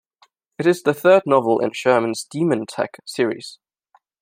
It is the third novel in Sherman's DemonTech series.